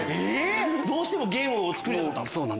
どうしてもゲームを作りたかった？